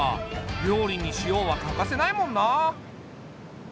料理に塩は欠かせないもんな。